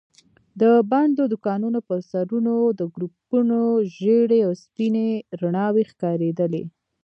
د بندو دوکانونو پر سرونو د ګروپونو ژېړې او سپينې رڼا وي ښکارېدلې.